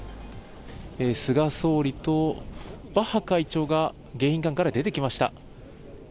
菅総理とバッハ会長が迎賓館から出てきました。